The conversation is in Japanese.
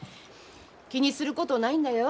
気にすることないんだよ。